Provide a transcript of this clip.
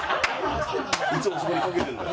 いつもそこに掛けてるんだよ。